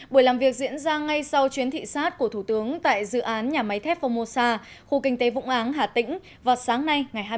buổi làm việc diễn ra ngay sau chuyến thị sát của thủ tướng tại dự án nhà máy thép phongmosa khu kinh tế vũng áng hà tĩnh vào sáng nay ngày hai mươi tháng tám